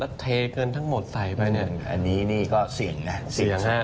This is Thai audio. แล้วเทเงินทั้งหมดใส่ไปเนี่ยอันนี้นี่ก็เสี่ยงนะเสี่ยงนะ